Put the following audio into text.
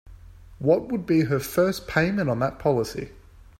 What would be her first payment on that policy?